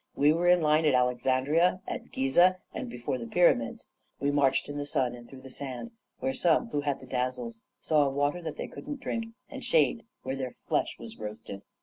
We were in line at Alexandria, at Gizeh, and before the Pyramids; we marched in the sun and through the sand, where some, who had the dazzles, saw water that they couldn't drink, and shade where their flesh was roasted.